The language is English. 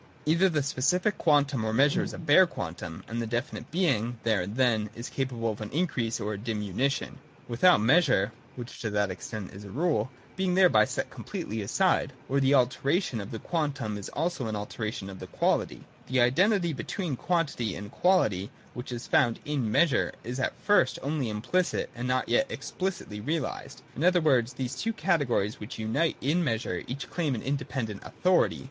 Either the specific quan tum or measure is a bare quantum, and the definite being (there and then) is capable of an increase or a diminution, without Measure (which to that extent is a Rule) being thereby set completely aside. Or the alteration of the quantum is also an alteration of the quality. The identity between quantity and quality, which is found in Measure, is at first only implicit, and not yet explicitly realised. In other words, these two categories, which unite in Measure, each claim an independent authority.